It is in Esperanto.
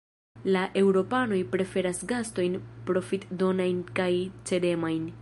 La eŭropanoj preferas gastojn profitdonajn kaj cedemajn.